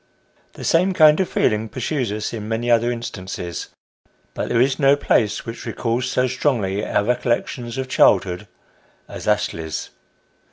The same kind of feeling pursues us in many other instances, but there is no place which recalls so strongly our recollections of childhood as Family Party at the Play. 77 Astley's.